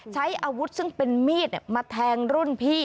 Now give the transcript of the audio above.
ใช้อาวุธซึ่งเป็นมีดมาแทงรุ่นพี่